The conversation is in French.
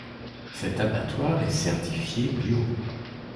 Cet abattoir est certifié bio.